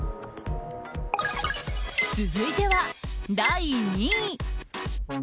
続いては第２位。